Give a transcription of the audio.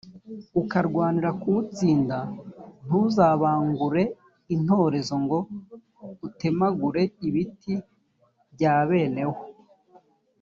ukarwanira kuwutsinda, ntuzabangure intorezo ngo utemagure ibiti bya bene wo,